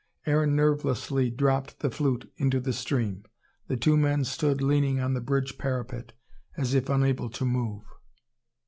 Aaron nervelessly dropped the flute into the stream. The two men stood leaning on the bridge parapet, as if unable to move.